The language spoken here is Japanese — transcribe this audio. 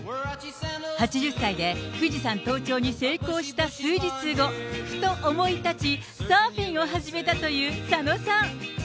８０歳で富士山登頂に成功した数日後、ふと思い立ち、サーフィンを始めたという佐野さん。